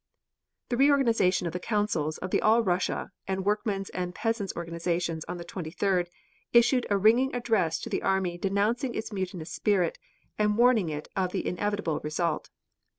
The reorganization of the Councils of the All Russia, and Workmen's and Peasants' Organizations on the 23d, issued a ringing address to the army denouncing its mutinous spirit and warning it of the inevitable result.